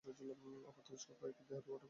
অপ্রাপ্তবয়স্ক পাখির দেহ ধোঁয়াটে-বাদামি।